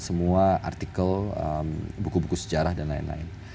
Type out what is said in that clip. semua artikel buku buku sejarah dan lain lain